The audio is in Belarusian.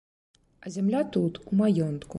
А зямля тут, у маёнтку.